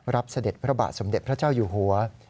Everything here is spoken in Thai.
เสด็จพระบาทสมเด็จพระเจ้าอยู่หัว